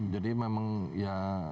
jadi memang ya